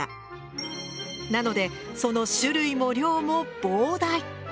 なのでその種類も量も膨大。